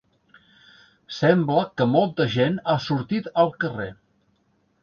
Sembla que molta gent ha sortit al carrer.